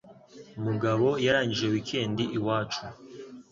Mugabo yarangije weekend iwacu.